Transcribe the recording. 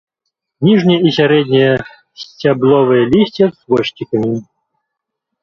Ніжняе і сярэдняе сцябловае лісце з хвосцікамі.